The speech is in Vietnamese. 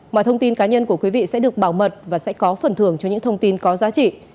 mọi thông tin cá nhân của quý vị sẽ được bảo mật và sẽ có phần thưởng cho những thông tin có giá trị